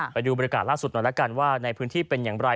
ไปดูบรรยากาศล่าสุดหน่อยแล้วกันว่าในพื้นที่เป็นอย่างไร